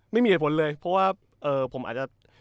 ไม่มีเหตุผลเลยเพราะว่า